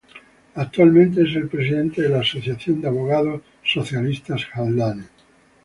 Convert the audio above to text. Actualmente es el presidente de la Asociación de Abogados Socialistas Haldane.